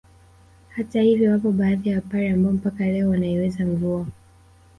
Hata hivyo wapo baadhi ya wapare ambao mpaka leo wanaiweza mvua